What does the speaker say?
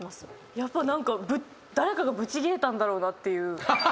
やっぱ何か誰かがブチギレたんだろうなっていう。